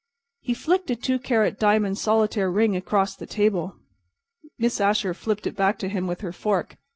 He flicked a two carat diamond solitaire ring across the table. Miss Asher flipped it back to him with her fork.